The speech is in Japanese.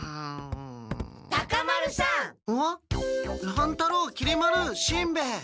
乱太郎きり丸しんべヱ。